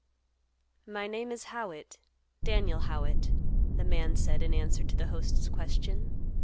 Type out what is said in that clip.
"My name is Howitt, Daniel Howitt," the man said in answer to the host's question.